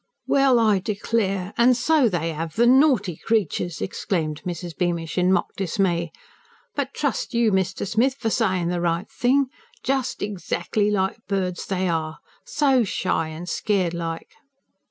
"Well, I declare, an' so they 'ave the NAUGHTY creatures!" exclaimed Mrs. Beamish in mock dismay. "But trust you, Mr. Smith, for sayin' the right thing. Jus' exackly like birds they are so shy an' scared like.